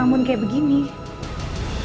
hai mama gak tegang netpa terus terusan baby